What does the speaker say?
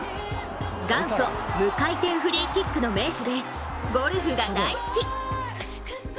元祖・無回転フリーキックの名手で、ゴルフが大好き。